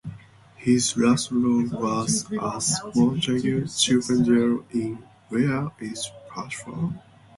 His last role was as Montague Chippendale in Where Is Parsifal?